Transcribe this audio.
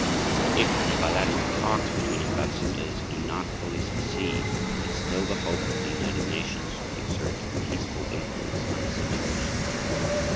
If the bilateral talks between Ambassadors do not fully succeed, there is still the hope that the United Nations could exert a peaceful influence on the situation.